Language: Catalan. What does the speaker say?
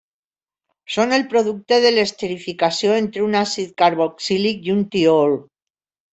Són el producte de l'esterificació entre un àcid carboxílic i un tiol.